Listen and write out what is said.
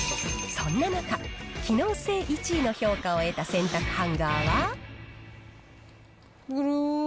そんな中、機能性１位の評価を得た洗濯ハンガーは。